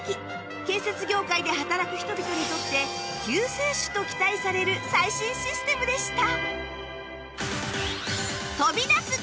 建設業界で働く人々にとって救世主と期待される最新システムでした